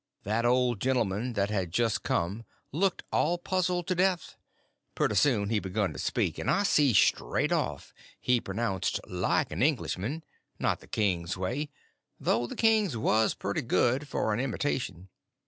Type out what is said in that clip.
That old gentleman that had just come looked all puzzled to death. Pretty soon he begun to speak, and I see straight off he pronounced like an Englishman—not the king's way, though the king's was pretty good for an imitation.